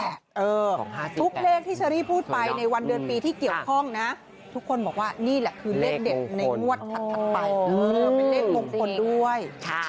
ทุกเลขที่เชอรี่พูดไปในวันเดือนปีที่เกี่ยวข้องนะทุกคนบอกว่านี่แหละคือเลขเด็ดในงวดถัดไปเป็นเลขมงคลด้วย